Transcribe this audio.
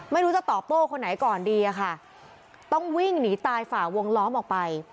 ไม่รู้จะตอบโต้คนไหนก่อนดีอะค่ะต้องวิ่งหนีตายฝ่าวงล้อมออกไป